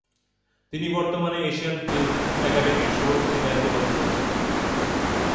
তিনি বর্তমানে Asian film একাডেমির সভাপতির দায়িত্ব পালন করছেন।